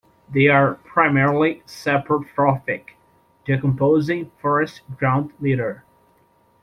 They are primarily saprotrophic, decomposing forest ground litter.